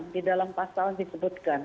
di dalam pasal disebutkan